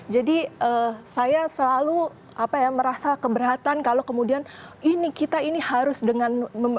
jadi saya selalu merasa keberatan kalau kemudian ini kita ini harus dengan